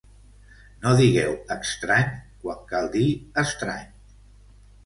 No digueu Extrany, quan cal dir Estrany